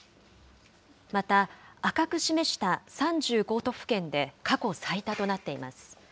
また、赤く示した３５都府県で過去最多となっています。